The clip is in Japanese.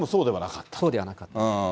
そうではなかった。